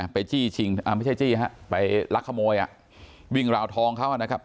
ไปลักขโมยวิ่งราวทองเขานะครับ